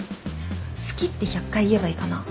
好きって１００回言えばいいかな？